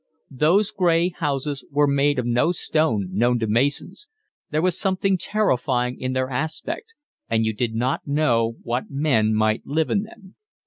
Those gray houses were made of no stone known to masons, there was something terrifying in their aspect, and you did not know what men might live in them.